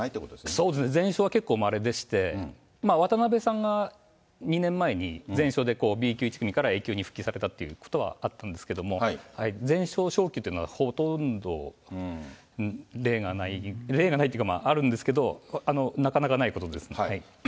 そうですね、全勝は結構まれでして、渡辺さんが２年前に全勝でＢ級１組からＡ級に復帰されたということはあったんですけども、全勝将棋っていうのはほとんど例がない、例がないというか、あるんですけど、なかなかないことですね。